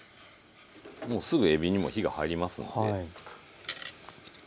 もうすぐえびにも火が入りますので。